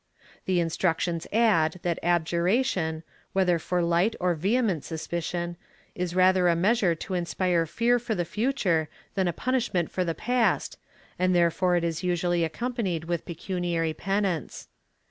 The Instructions add that abjuration, whether for light or vehement suspicion, is rather a measure to inspire fear for the future than a punishment for the past, and therefore it is usually accompanied with pecuniary penance.